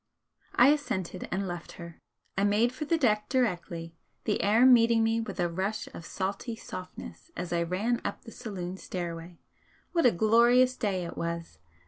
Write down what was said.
I assented, and left her. I made for the deck directly, the air meeting me with a rush of salty softness as I ran up the saloon stairway. What a glorious day it was!